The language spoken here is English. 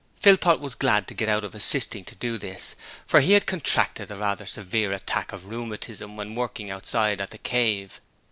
Philpot was glad to get out of assisting to do this, for he had contracted a rather severe attack of rheumatism when working outside at the 'Cave'.